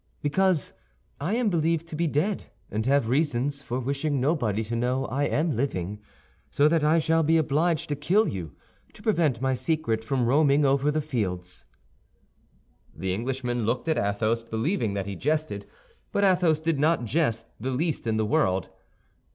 "Because I am believed to be dead, and have reasons for wishing nobody to know I am living; so that I shall be obliged to kill you to prevent my secret from roaming over the fields." The Englishman looked at Athos, believing that he jested, but Athos did not jest the least in the world.